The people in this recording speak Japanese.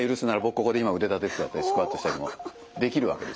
ここで今腕立て伏せやったりスクワットしたりもできるわけですよね。